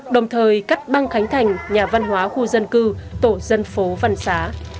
đồng thời cắt băng khánh thành nhà văn hóa khu dân cư tổ dân phố văn xá